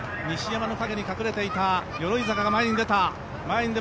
西山の陰に隠れていた鎧坂選手が前に出た。